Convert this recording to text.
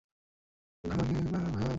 ওরা বাড়িতে আগুন ধরিয়ে দিয়েছে।